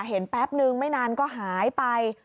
แป๊บนึงไม่นานก็หายไป